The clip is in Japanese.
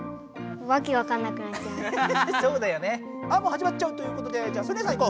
あもうはじまっちゃうということでじゃあソニアさんいこう。